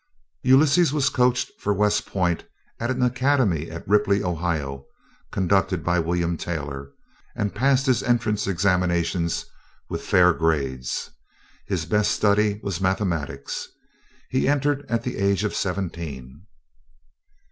Ulysses was coached for West Point at an academy at Ripley, Ohio, conducted by William Taylor, and passed his entrance examinations with fair grades. His best study was mathematics. He entered at the age of seventeen.